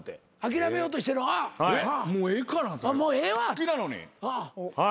好きなのに。